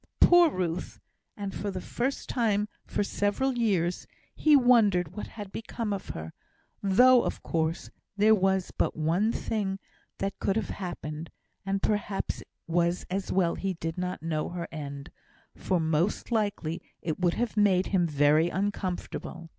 Poor Ruth! and, for the first time for several years, he wondered what had become of her; though, of course, there was but one thing that could have happened, and perhaps it was as well he did not know her end, for most likely it would have made him very uncomfortable.